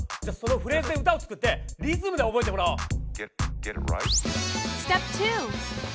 じゃあそのフレーズで歌を作ってリズムで覚えてもらおう！